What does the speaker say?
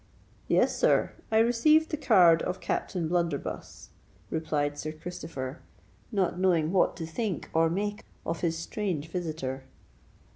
"Yes, sir—I received the card of Captain O'Blunderbuss," replied Sir Christopher, not knowing what to think or make of his strange visitor.